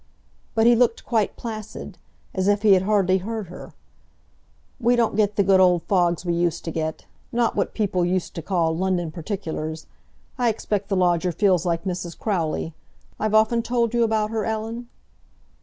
But he looked quite placid, as if he had hardly heard her. "We don't get the good old fogs we used to get—not what people used to call 'London particulars.' I expect the lodger feels like Mrs. Crowley—I've often told you about her, Ellen?"